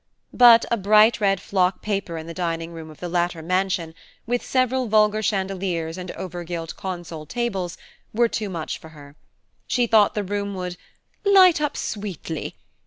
But a bright red flock paper in the dining room of the latter mansion, with several vulgar chandeliers and over gilt console tables, were too much for her: she thought the room would "light up sweetly."